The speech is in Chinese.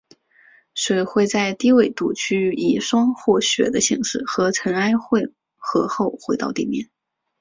水会在低纬度区域以霜或雪的形式和尘埃混合后回到地表。